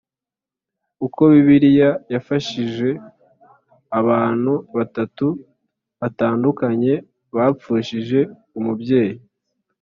Uko Bibiliya yafashije abana batatu batandukanye bapfushije umubyeyi?